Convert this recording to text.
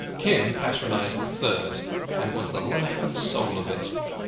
Kim patronized a third, and was the life and soul of it.